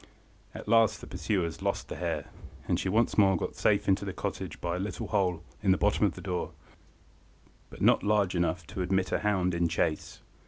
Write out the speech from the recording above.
At last the pursuers lost the hare, and she once more got safe into the cottage by a little hole in the bottom of the door, but not large enough to admit a hound in chase.